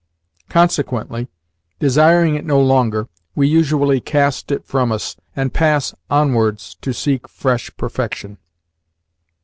Consequently, desiring it no longer, we usually cast it from us, and pass onwards to seek fresh perfection.